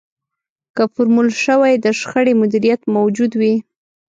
که فورمول شوی د شخړې مديريت موجود وي.